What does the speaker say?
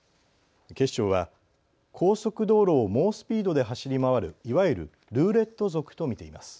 警視庁は高速道路を猛スピードで走り回るいわゆるルーレット族と見ています。